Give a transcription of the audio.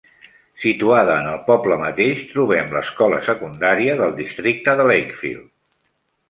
Situada en el poble mateix, trobem l'escola secundària del districte de Lakefield.